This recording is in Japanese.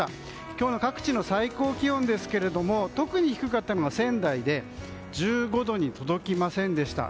今日の各地の最高気温ですが特に低かったのが仙台で１５度に届きませんでした。